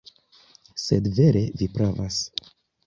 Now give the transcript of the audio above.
Sed vere Vi pravas.